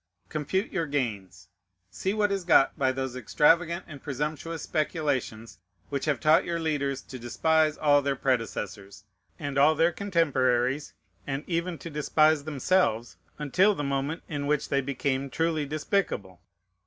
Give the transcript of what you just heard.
Compute your gains; see what is got by those extravagant and presumptuous speculations which have taught your leaders to despise all their predecessors, and all their contemporaries, and even to despise themselves, until the moment in which they became truly despicable.